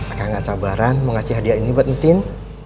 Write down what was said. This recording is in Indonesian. aku ga sabaran mau ngasih hadiah ini buat tin